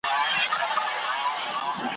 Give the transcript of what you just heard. نن به دي سېل د توتکیو تر بهاره څارې ,